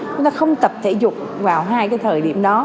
chúng ta không tập thể dục vào hai cái thời điểm đó